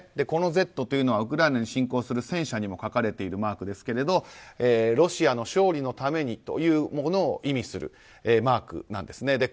このＺというのはウクライナに侵攻する戦車に書かれているマークですけどロシアの勝利のためにというものを意味するマークなんですね。